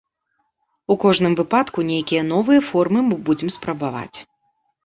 У кожным выпадку нейкія новыя формы мы будзем спрабаваць.